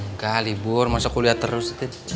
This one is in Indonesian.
enggak libur masa kuliah terus